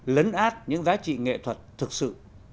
lấn át những giá trị nghệ thuật thực sự